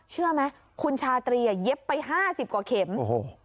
เชื่อไหมคุณชาตรีอ่ะเย็บไปห้าสิบกว่าเข็มโอ้โห